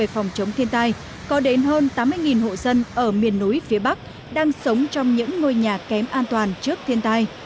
trong thiên tai có đến hơn tám mươi hộ dân ở miền núi phía bắc đang sống trong những ngôi nhà kém an toàn trước thiên tai